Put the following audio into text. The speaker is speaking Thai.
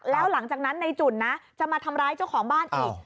แล้วหลังจากนั้นในจุ่นนะจะมาทำร้ายเจ้าของบ้านอีก